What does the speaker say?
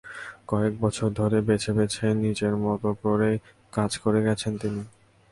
কয়েক বছর ধরে বেছে বেছে নিজের মতো করেই কাজ করে গেছেন তিনি।